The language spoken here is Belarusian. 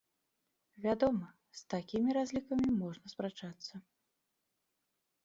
Вядома, з такімі разлікамі можна спрачацца.